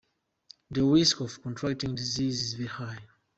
The risk of contracting disease is very high.